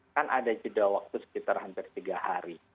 kan ada jeda waktu sekitar hampir tiga hari